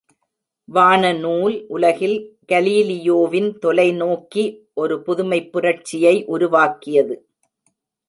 வான நூல் உலகில் கலீலியோவின் தொலைநோக்கி ஒரு புதுமைப் புரட்சியை உருவாக்கியது.